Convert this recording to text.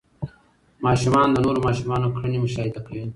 ماشومان د نورو ماشومانو کړنې مشاهده کوي.